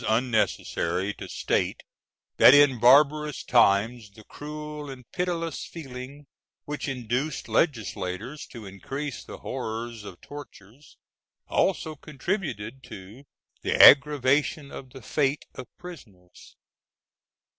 It is unnecessary to state that in barbarous times the cruel and pitiless feeling which induced legislators to increase the horrors of tortures, also contributed to the aggravation of the fate of prisoners.